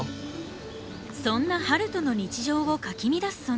そんな春風の日常をかき乱す存在それは。